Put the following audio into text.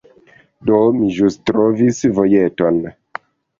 Do, mi ĵus trovis vojeton